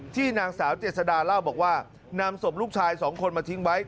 นางสาวเจษดาเล่าบอกว่านำศพลูกชายสองคนมาทิ้งไว้